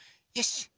よし！